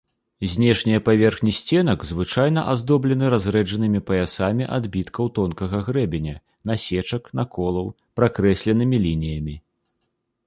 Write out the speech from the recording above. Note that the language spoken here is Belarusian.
Знешнія паверхні сценак звычайна аздоблены разрэджанымі паясамі адбіткаў тонкага грэбеня, насечак, наколаў, пракрэсленымі лініямі.